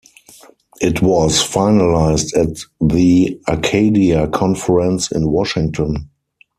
It was finalized at the Arcadia Conference in Washington.